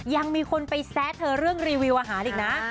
ยังมีคนไปแซะเธอเรื่องรีวิวอาหารอีกนะ